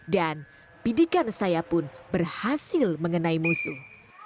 bidikan saya pun berhasil mengenai musuh